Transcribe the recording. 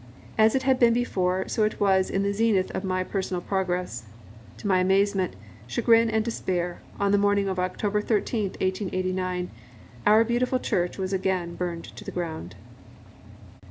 As it had been before, so it was in this zenith of my personal progress. To my amazement, chagrin and despair, on the morning of October 13, 1889, our beautiful church was again burned to the ground.